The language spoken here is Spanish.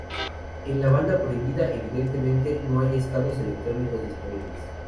En la banda prohibida, evidentemente, no hay estados electrónicos disponibles.